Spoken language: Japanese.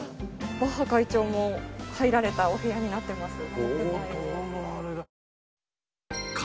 バッハ会長も入られたお部屋になってます。